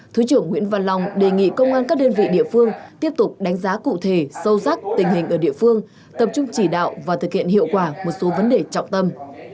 thứ trưởng nguyễn văn long đề nghị công an các đơn vị địa phương tiếp tục đánh giá cụ thể sâu sắc tình hình ở địa phương tập trung chỉ đạo và thực hiện hiệu quả một số vấn đề trọng tâm